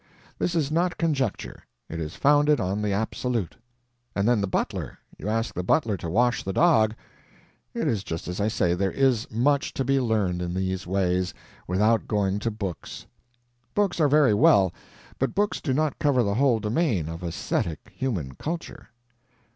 This is not conjecture; it is founded on the absolute. And then the butler. You ask the butler to wash the dog. It is just as I say; there is much to be learned in these ways, without going to books. Books are very well, but books do not cover the whole domain of esthetic human culture.